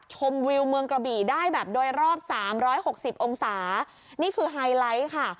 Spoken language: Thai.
ชมวิวเมืองกระบี่ได้แบบโดยรอบสามร้อยหกสิบองศานี่คือไฮไลท์ค่ะ